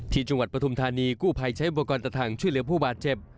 ที่จังหวัดปทุมธานีกู้ภายใช้บวกกรตะถังช่วยเหลือผู้บาดเจ็บ